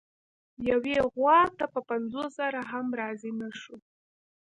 یوې غوا ته په پنځوس زره هم راضي نه شو.